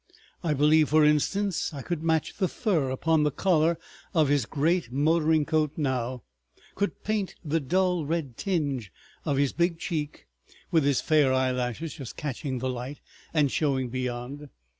I believe, for instance, I could match the fur upon the collar of his great motoring coat now, could paint the dull red tinge of his big cheek with his fair eyelashes just catching the light and showing beyond.